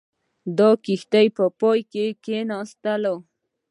دا د کښتۍ په پای کې کښېناستله.